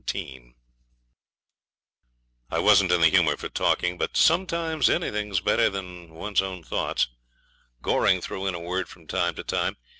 Chapter 17 I wasn't in the humour for talking, but sometimes anything's better than one's own thoughts. Goring threw in a word from time to time.